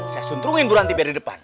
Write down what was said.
saya sunturin buranti dari depan